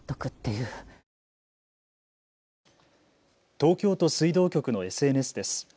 東京都水道局のＳＮＳです。